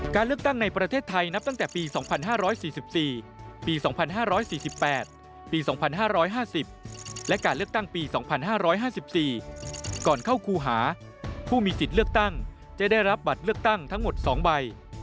การเลือกตั้งในประเทศไทยนับตั้งแต่ปี๒๕๔๔ปี๒๕๔๘ปี๒๕๕๐และการเลือกตั้งปี๒๕๕๔ก่อนเข้าครูหาผู้มีสิทธิ์เลือกตั้งจะได้รับบัตรเลือกตั้งทั้งหมด๒ใบ